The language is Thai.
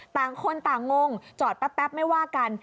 ต่างคนต่างงงจอดแป๊บไม่ว่ากัน